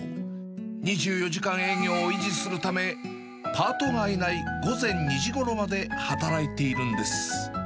２４時間営業を維持するため、パートがいない午前２時ごろまで働いているんです。